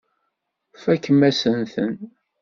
Tfakem-asen-ten.